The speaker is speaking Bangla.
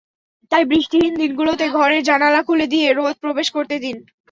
তাই বৃষ্টিহীন দিনগুলোতে ঘরের জানালা খুলে দিয়ে রোদ প্রবেশ করতে দিন।